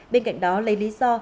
bên cạnh đó lấy lý do